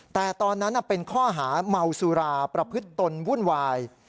แต่ตอนนั้นเป็นข้อหาเมาสุราประพฤติตนวุ่นวาย